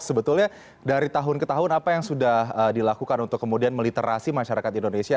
jadi dari tahun ke tahun apa yang sudah dilakukan untuk kemudian meliterasi masyarakat indonesia